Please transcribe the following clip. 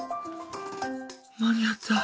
間に合った。